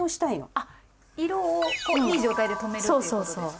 あっ色をこういい状態で止めるということですか？